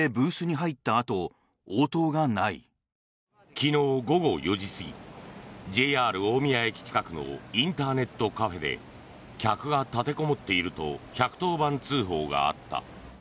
昨日、午後４時過ぎＪＲ大宮駅近くのインターネットカフェで客が立てこもっていると１１０番通報があった。